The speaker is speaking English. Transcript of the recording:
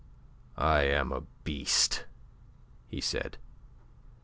"I am a beast!" he said.